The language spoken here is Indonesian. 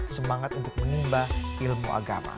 semangat untuk menimba ilmu agama